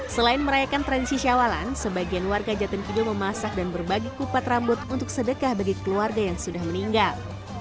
selain merayakan tradisi syawalan sebagian warga jatim kidul memasak dan berbagi kupat rambut untuk sedekah bagi keluarga yang sudah meninggal